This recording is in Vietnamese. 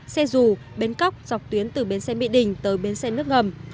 xe dù bến cóc dọc tuyến từ bến xe mỹ đình tới bến xe nước ngầm